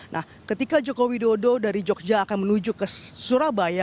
nah ketika jokowi dodo dari yogyakarta akan menuju ke surabaya